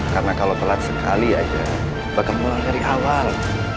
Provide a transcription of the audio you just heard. karena kalau pelat sekali aja bakal pulang dari awal